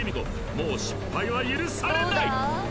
もう失敗は許されない！